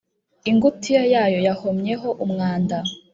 Ingutiya yayo yahomyeho umwanda,